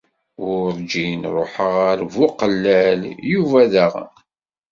Werǧin ṛuḥeɣ ar Buqellal, Yuba daɣen.